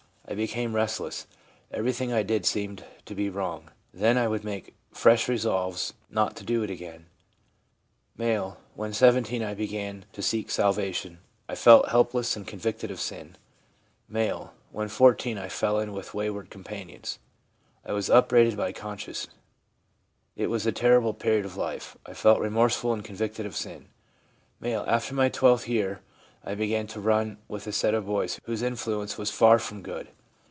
I became restless ; everything I did seemed to be wrong ; then I would make fresh resolves not to do it again/ M. 'When 17 I began to seek salvation. I felt helpless and convicted of sin/ M. 'When 14 I fell in with wayward companions. I was upbraided by conscience. It was a terrible period of life; I felt remorseful and convicted of sin/ M. ' After my twelfth year I began to run with a set of boys whose influence was far from good.